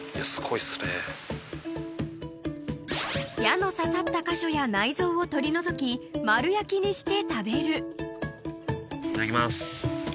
［矢の刺さった箇所や内臓を取り除き丸焼きにして食べる］